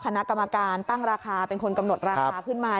คณะกรรมการตั้งราคาเป็นคนกำหนดราคาขึ้นมา